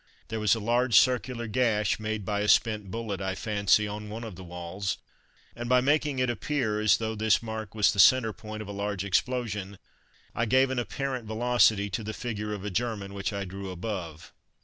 There was a large circular gash, made by a spent bullet I fancy, on one of the walls, and by making it appear as though this mark was the centre point of a large explosion, I gave an apparent velocity to the figure of a German, which I drew above.